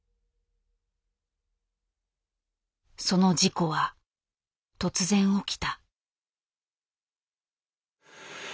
その事故は突然起きた。